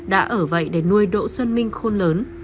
đã ở vậy để nuôi đỗ xuân minh khôn lớn